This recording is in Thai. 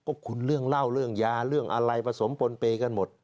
ก็คุณเรื่องเล่าเรื่องยาเรื่องอะไรผสมปนเปย์กันหมด